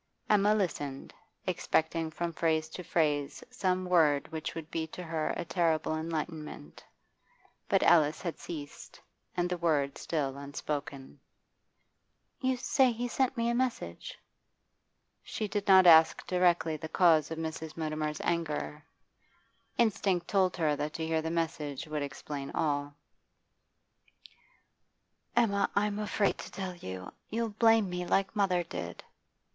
Emma listened, expecting from phrase to phrase some word which would be to her a terrible enlightenment But Alice had ceased, and the word still unspoken. 'You say he sent me a message?' She did not ask directly the cause of Mrs. Mutimer's anger. Instinct told her that to hear the message would explain all else. 'Emma, I'm afraid to tell you. You'll blame me, like mother did.